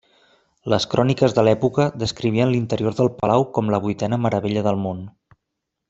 Les cròniques de l'època descrivien l'interior del Palau com la vuitena meravella del món.